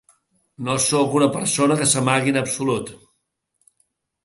No sóc una persona que s’amagui, en absolut.